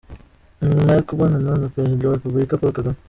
Ni nyuma yo kubonana na Perezida wa Repubulika, Paul Kagame.